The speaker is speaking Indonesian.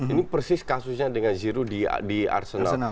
ini persis kasusnya dengan zero di arsenal